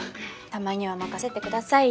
たまには任せてください。